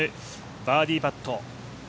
バーディーパット。